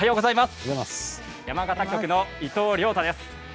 山形局の伊藤亮太です。